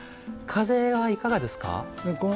風はいかがですか？